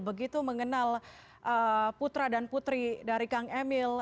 begitu mengenal putra dan putri dari kang emil